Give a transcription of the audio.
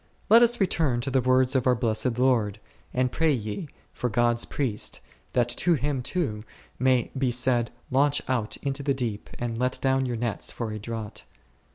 Let us return to the words of our Blessed Lord, and pray ye for God's Priest, that to him too may be said, Launch out into the deep and let down your nets for a draught.